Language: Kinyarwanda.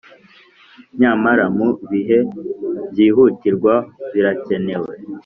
Nyamara mu bihe byihutirwa birakenewe